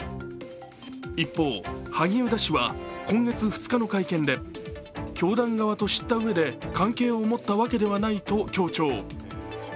一方、萩生田氏は今月２日の会見で教団側と知ったうえで関係を持ったわけではないと強調。